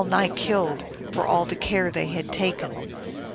nigh killed, for all the care they had taken.